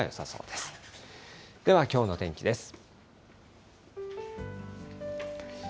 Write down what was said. ではきょうの天気です。